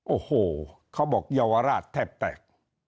โอ้โหเขาบอกเยาวราชแทบแตก